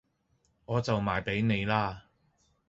我就賣俾你啦